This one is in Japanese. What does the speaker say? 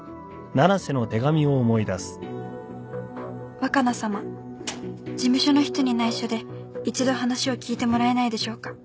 「若菜様事務所の人に内緒で１度話を聞いてもらえないでしょうか？」